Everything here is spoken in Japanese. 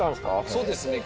そうですね。